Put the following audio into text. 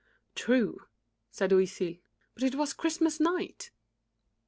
"True," said Oisille, "but it was Christmas night."